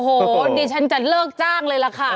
โอ้โหดิฉันจะเลิกจ้างเลยล่ะค่ะ